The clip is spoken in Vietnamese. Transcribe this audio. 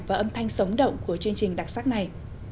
và âm thanh sống động của chương trình đặc sắc này